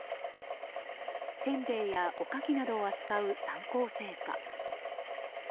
せんべいや、おかきなどを扱う三幸製菓。